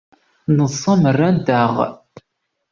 Neḍsa merra-nteɣ.